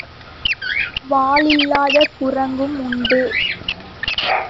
வாலில்லாத குரங்கும் உண்டு.